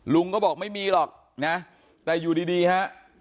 ลุงก็บอกไม่มีหรอกนะแต่อยู่ดีฮะ